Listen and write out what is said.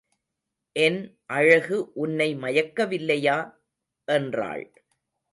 என் அழகு உன்னை மயக்கவில்லையா? என்றாள்.